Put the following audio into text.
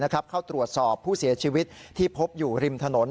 เข้าตรวจสอบผู้เสียชีวิตที่พบอยู่ริมถนน